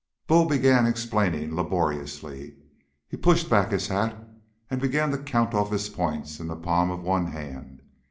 Bull began explaining laboriously. He pushed back his hat and began to count off his points into the palm of one hand.